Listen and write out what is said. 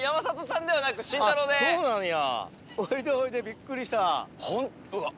そうなんや。